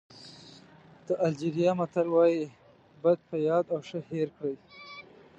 د الجېریا متل وایي بد په یاد او ښه هېر کړئ.